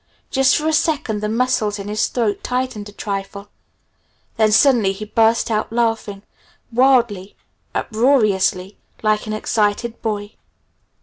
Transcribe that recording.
Just for a second the muscles in his throat tightened a trifle. Then, suddenly he burst out laughing wildly, uproariously, like an excited boy.